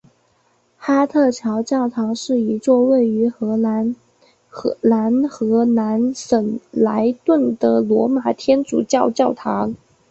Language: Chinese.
哈特桥教堂是一座位于荷兰南荷兰省莱顿的罗马天主教教堂。